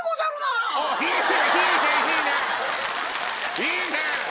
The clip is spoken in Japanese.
いいね！